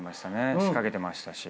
仕掛けてましたし。